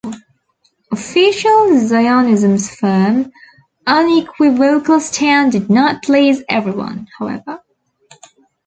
Official Zionism's firm, unequivocal stand did not please every one, however.